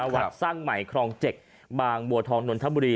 วัดสร้างใหม่ครอง๗บางบัวทองนนทบุรี